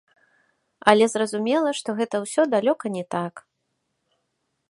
Але зразумела, што гэта ўсё далёка не так.